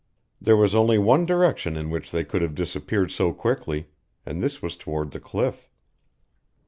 There was only one direction in which they could have disappeared so quickly, and this was toward the cliff.